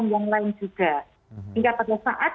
yang lain juga hingga pada saat